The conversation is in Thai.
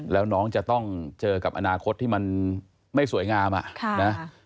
แล้วน้องจะต้องเจอกับอนาคตที่มันไม่สวยงามอ่ะนะ